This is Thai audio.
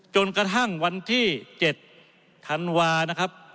จนกระทั่งวันที่๗ธันวานะครับ